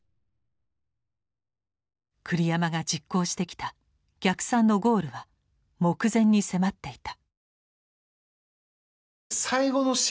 栗山が実行してきた逆算のゴールは目前に迫っていた。